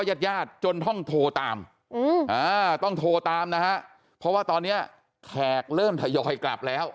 ญาติญาติจนต้องโทรตามต้องโทรตามนะฮะเพราะว่าตอนนี้แขกเริ่มทยอยกลับแล้ว